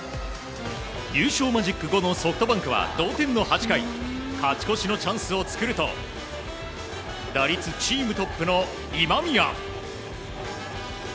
優勝マジック５のソフトバンクは同点の８回勝ち越しのチャンスを作ると打率チームトップの今宮。